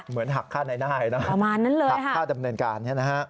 เหมือนหักค่าในนายนะหักค่าจำเนินการนะฮะประมาณนั้นเลยค่ะ